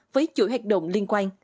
với chuỗi hoạt động liên quan